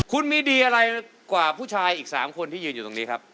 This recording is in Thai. คุณมีดีอะไรกว่าผู้ชายอีก๓คนที่ยืนอยู่ตรงนี้ครับ